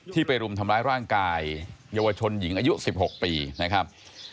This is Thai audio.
ไปรุมทำร้ายร่างกายเยาวชนหญิงอายุ๑๖ปีนะครับ